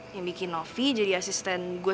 yang bikin novi jadi asisten gue